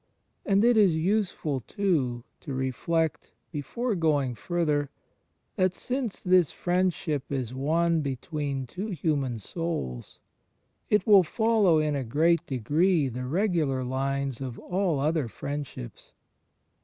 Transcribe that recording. And it is useful, too, to reflect, before going fxirther, that since this Friendship is one between two human souls, it will 20 THE FRIENDSHIP OF CHRIST follow in a great degree the regular lines of all other friendships.